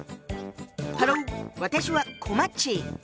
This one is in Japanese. ハロー私はこまっち。